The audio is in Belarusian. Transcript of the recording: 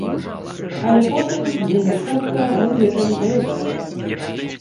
Але потым, вельмі хутка, мы з гэтым завязалі.